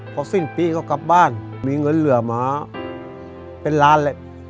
พอสิ้นปีก็กลับบ้านมีเงินเหลือหมาเป็นล้านแหละ